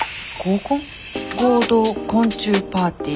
合同昆虫パーティー。